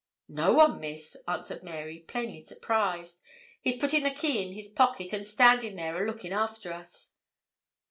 'No one, Miss,' answered Mary, plainly surprised. 'He's putting the key in his pocket, and standin' there a lookin' after us.'